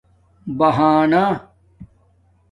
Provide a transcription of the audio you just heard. بہانہ